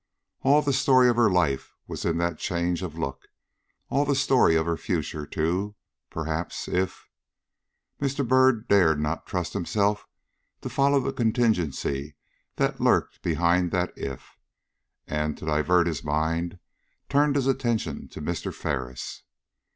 All the story of her life was in that change of look; all the story of her future, too, perhaps, if Mr. Byrd dared not trust himself to follow the contingency that lurked behind that if, and, to divert his mind, turned his attention to Mr. Ferris.